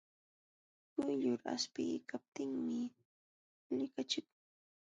Quyllur aspikuykaptinmi likachikun.